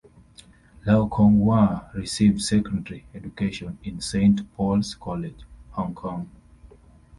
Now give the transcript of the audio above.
Lau Kong-wah received secondary education in Saint Paul's College, Hong Kong.